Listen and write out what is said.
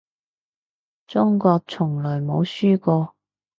中國從來冇輸過